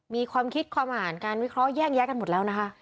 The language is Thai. ให้เรียกความหลายการวิเคราะห์แยกกันหมดแล้วนะค่ะ